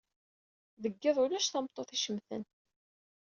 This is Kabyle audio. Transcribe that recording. Deg yiḍ, ulac tameṭṭut icemten.